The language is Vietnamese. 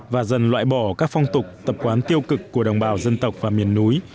và dần loại bỏ các phong tục tập quán tiêu cực của đồng bào dân tộc và miền núi